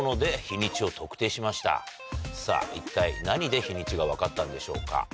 さぁ一体何で日にちが分かったんでしょうか？